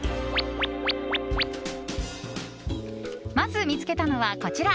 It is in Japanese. まず見つけたのは、こちら。